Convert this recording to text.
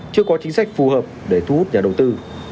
chưa có chính sách phù hợp để thu hút nhà đầu tư